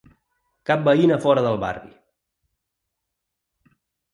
Cap veïna fora del barri!